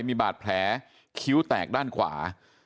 มีบาดแผลคิ้วแตกด้านขวา